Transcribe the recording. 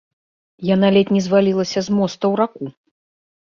Яна ледзь не звалілася з моста ў раку.